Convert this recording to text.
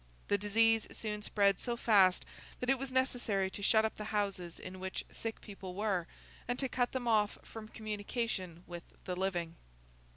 The disease soon spread so fast, that it was necessary to shut up the houses in which sick people were, and to cut them off from communication with the living.